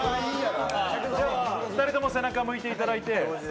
２人とも背中向いていただいて。